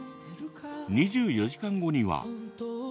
２４時間後には。